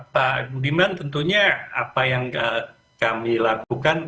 pak budiman tentunya apa yang kami lakukan